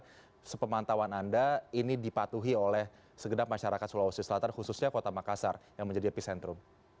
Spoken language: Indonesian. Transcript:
kepatuhan ee atas protokol kesehatan apakah sudah benar benar sepemantauan anda ini dipatuhi oleh segeda masyarakat sulawesi selatan khususnya kota makassar yang menjadi epicentrum